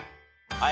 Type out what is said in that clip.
はい。